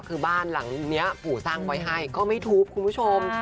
คือบ้านหลังนี้ปู่สร้างไว้ให้ก็ไม่ทุบคุณผู้ชม